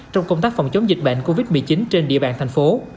trong công tác phòng chống dịch bệnh covid một mươi chín trên địa bàn thành phố